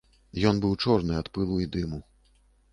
Ён быў чорны ад пылу і дыму.